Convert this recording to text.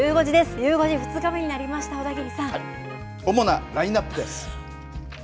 ゆう５時、２日目になりました、主なラインナップです。